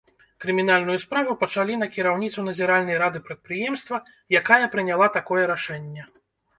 Крымінальную справу пачалі на кіраўніцу назіральнай рады прадпрыемства, якая прыняла такое рашэнне.